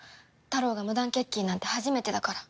タロウが無断欠勤なんて初めてだから。